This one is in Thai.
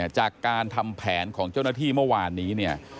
จากการทำแผนของเจ้าหน้าที่เมื่อวานนี้เนี่ย